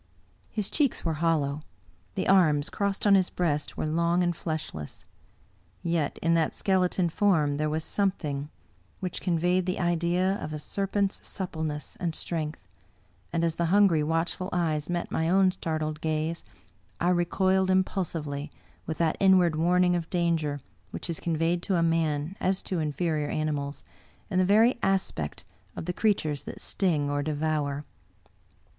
His cheeks were hollow; the arms, crossed on his breast, were long and fleshless. Yet in that skeleton form there was a something which conveyed the idea of a serpent's supple ness and strength; and as the hungry, watchful eyes met my own startled gaze, I recoiled impulsively with that in ward warning of danger which is conveyed to man, as to inferior animals, in the very aspect of the creatures that sting or devour.